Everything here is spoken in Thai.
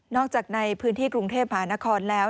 จากในพื้นที่กรุงเทพหานครแล้ว